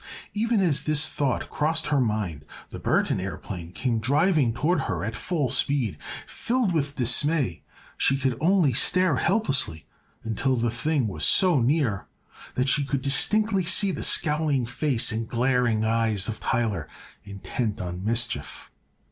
Even as this thought crossed her mind the Burthon aëroplane came driving toward her at full speed. Filled with dismay she could only stare helplessly until the thing was so near that she could distinctly see the scowling face and glaring eyes of Tyler, intent on mischief.